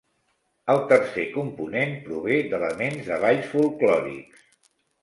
El tercer component prové d'elements de balls folklòrics.